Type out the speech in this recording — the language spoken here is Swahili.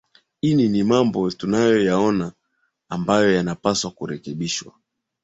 ini ni mambo tunayo yaona ambayo yanapaswa kurekebishwa